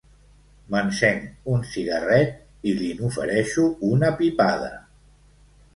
M'encenc un cigarret i li n'ofereixo una pipada.